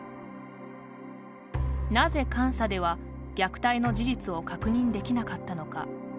なぜ監査では虐待の事実を確認できなかったのか。